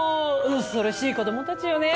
恐ろしい子どもたちよね。